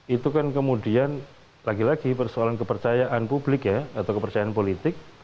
itu kan kemudian lagi lagi persoalan kepercayaan publik ya atau kepercayaan politik